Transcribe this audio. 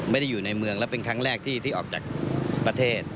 ไม่ได้อยู่ในเมืองแล้วเป็นครั้งแรกที่ออกจากประเทศ